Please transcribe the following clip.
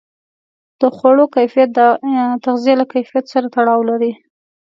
د خوړو کیفیت د تغذیې له کیفیت سره تړاو لري.